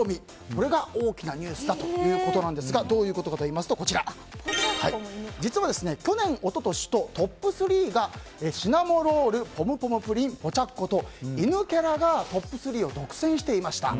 これが大きなニュースだということなんですがどういうことかといいますと実は去年、一昨年とトップ３がシナモロールポムポムプリンポチャッコと犬キャラがトップ３を独占していました。